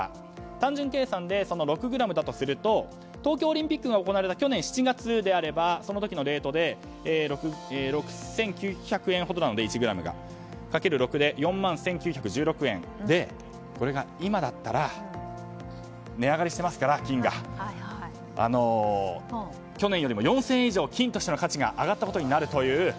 単純計算で６ｇだとすると東京オリンピックが行われた去年７月であればその時のレートで１ｇ６９００円ほどなのでかける６で４万１９１６円でこれが今だったら金が値上がりしていますから去年よりも４０００円以上金としての価値が上がったという。